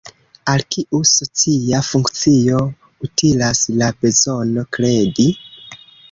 Al kiu socia funkcio utilas la bezono kredi?